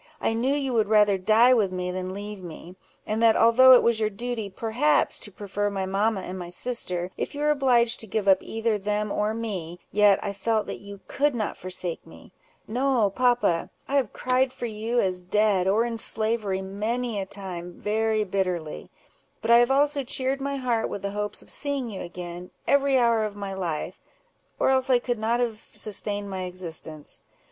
I knew you would rather die with me than leave me; and that although it was your duty, perhaps, to prefer my mamma and my sister, if you were obliged to give up either them or me, yet I felt that you could not forsake me. No, papa! I have cried for you, as dead, or in slavery, many a time, very bitterly; but I have also cheered my heart with the hopes of seeing you again, every hour of my life, or else I could not have sustained my existence.